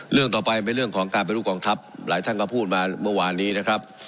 เรื่องของการเป็นลูกกองทัพหลายท่านก็พูดมาเมื่อวานนี้นะครับ